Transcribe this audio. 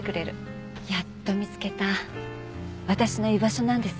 やっと見つけた私の居場所なんです。